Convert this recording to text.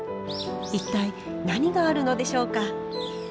一体何があるのでしょうか？